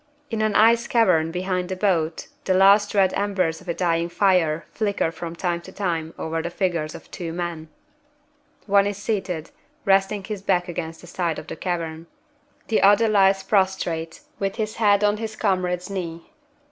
In an ice cavern behind the boat the last red embers of a dying fire flicker from time to time over the figures of two men. One is seated, resting his back against the side of the cavern. The other lies prostrate, with his head on his comrade's knee.